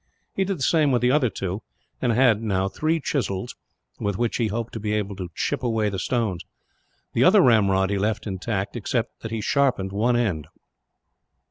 He did the same with the other two; and had, now, three chisels with which he hoped to be able to chip away the stones. The other ramrod he left intact, except that he sharpened one end.